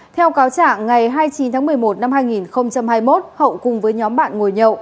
theo cáo trả ngày hai mươi chín tháng một mươi một năm hai nghìn hai mươi một hậu cùng với nhóm bạn ngồi nhậu